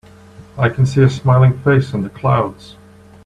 I can see a smiling face in the clouds.